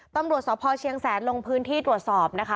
ตำรวจสพเชียงแสนลงพื้นที่ตรวจสอบนะคะ